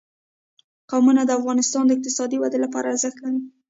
قومونه د افغانستان د اقتصادي ودې لپاره ارزښت لري.